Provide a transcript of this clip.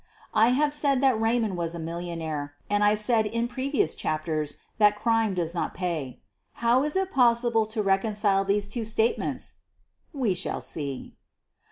I have said that Eaymond was a millionaire, and I said in previous chapters that crime does not pay — how is it possible to reconcile these two state ments? We shall see.